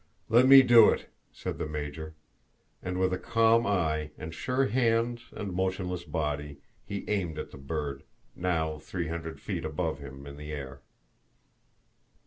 "Let me do it," said the Major. And with a calm eye, and sure hands and motionless body, he aimed at the bird, now three hundred feet above him in the air.